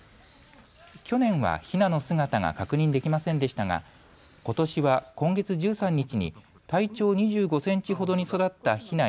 去年はヒナの姿が確認できませんでしたが、ことしは今月１３日に体長２５センチほどに育ったヒナ